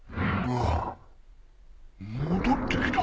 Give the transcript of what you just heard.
戻ってきた！